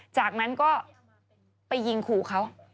จากนั้นก็ไปยิงขู่เขา